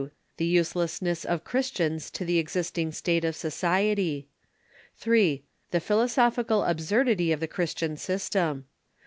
The uselessness of Christians to the existing state of so ciety. 3. The philosophical absurdity of the Christian system.